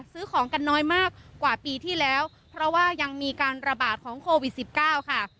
ซื้อของกันน้อยมากกว่าปีที่แล้วเพราะว่ายังมีการระบาดของโควิดสิบเก้าค่ะ